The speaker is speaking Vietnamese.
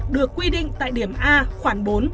được quy định tại điểm a khoảng bốn